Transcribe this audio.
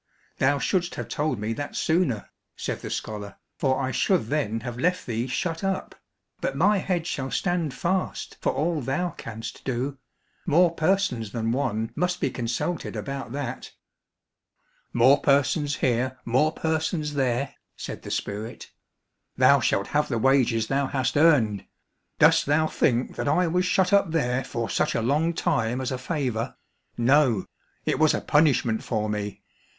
"Thou shouldst have told me that sooner," said the scholar, "for I should then have left thee shut up, but my head shall stand fast for all thou canst do; more persons than one must be consulted about that." "More persons here, more persons there," said the spirit. "Thou shalt have the wages thou hast earned. Dost thou think that I was shut up there for such a long time as a favour. No, it was a punishment for me.